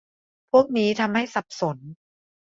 พวกนี้ทำให้สับสน